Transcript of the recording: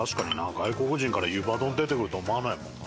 外国人から、湯葉丼出てくるとは思わないもんな。